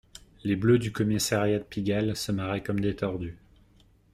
Les bleus du commissariat de Pigalle se marraient comme des tordus